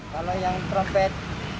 kalau yang trompet